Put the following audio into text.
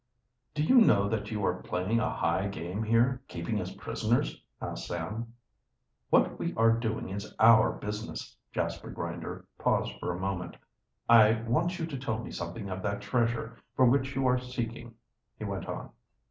"Do you know that you are playing a high game here, keeping us prisoners?" asked Sam. "What we are doing is our business." Jasper Grinder paused for a moment. "I want you to tell me something of that treasure for which you are seeking," he went on.